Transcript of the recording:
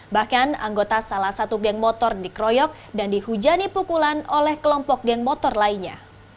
bahkan anggota salah satu geng motor dikeroyok dan dihujani pukulan oleh kelompok geng motor lainnya